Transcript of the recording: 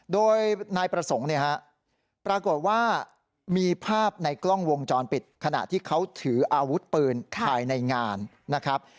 โดยนายประสงค์เนี่ยฮะปรากฏว่ามีภาพในกล้องวงจรปิดขณะที่เขาถืออาวุธปืนภายในงานนะครับ